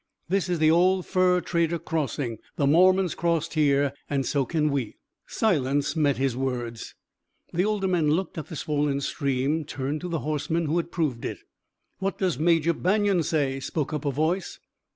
This is the old fur trader crossing, the Mormons crossed here, and so can we." Silence met his words. The older men looked at the swollen stream, turned to the horseman who had proved it. "What does Major Banion say?" spoke up a voice.